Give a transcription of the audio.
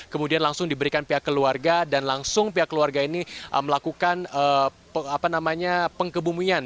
kemudian langsung diberikan pihak keluarga dan langsung pihak keluarga ini melakukan pengkebumian